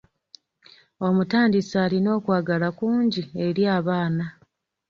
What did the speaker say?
Omutandisi alina okwagala kungi eri abaana.